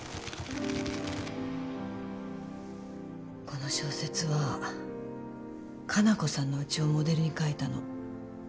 この小説は加奈子さんのうちをモデルに書いたの。